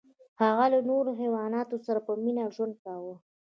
هغه له نورو حیواناتو سره په مینه ژوند کاوه.